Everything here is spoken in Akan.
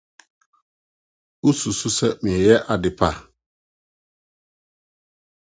Wususuw sɛ mereyɛ ade pa?